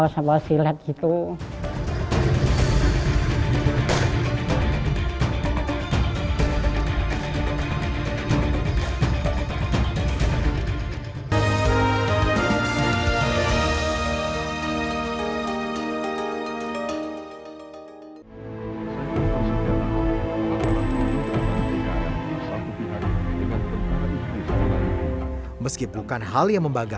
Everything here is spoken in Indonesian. sama sama nyembah ya